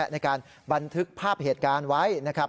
ในการบันทึกภาพเหตุการณ์ไว้นะครับ